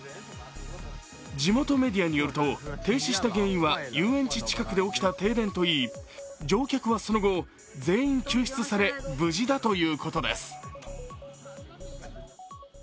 地元メディアによると、停止した原因は遊園地近くで起きた停電といい乗客はその後、全員、救出され、無事だということです。